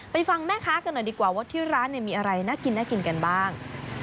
ฟังแม่ค้ากันหน่อยดีกว่าว่าที่ร้านมีอะไรน่ากินน่ากินกันบ้าง